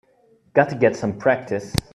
Got to get some practice.